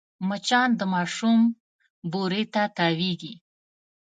مچان د ماشوم بوري ته تاوېږي